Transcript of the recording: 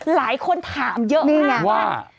หลายคนถามเยอะมากว่า